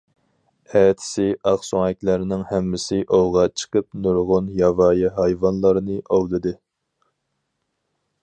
ئەتىسى ئاقسۆڭەكلەرنىڭ ھەممىسى ئوۋغا چىقىپ نۇرغۇن ياۋايى ھايۋانلارنى ئوۋلىدى.